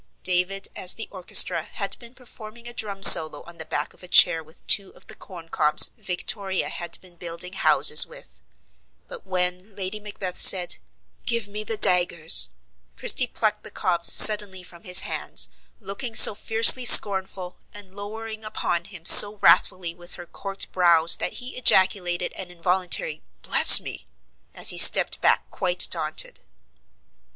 David as the orchestra, had been performing a drum solo on the back of a chair with two of the corn cobs Victoria had been building houses with; but, when Lady Macbeth said, "Give me the daggers," Christie plucked the cobs suddenly from his hands, looking so fiercely scornful, and lowering upon him so wrathfully with her corked brows that he ejaculated an involuntary, "Bless me!" as he stepped back quite daunted.